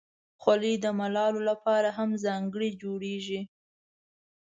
خولۍ د ملالو لپاره هم ځانګړې جوړیږي.